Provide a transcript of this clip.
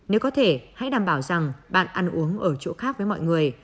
nếu có thể hãy đảm bảo rằng bạn ăn uống ở chỗ khác với mọi người